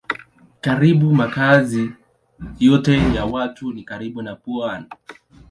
Karibu makazi yote ya watu ni karibu na pwani.